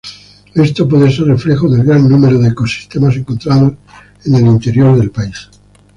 Esto puede ser reflejo del gran número de ecosistemas encontrados al interior del país.